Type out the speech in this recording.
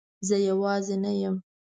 زه یوازی نه یم